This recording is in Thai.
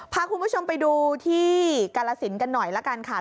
พาคุณผู้ชมไปดูที่กาลสินกันหน่อยละกันค่ะ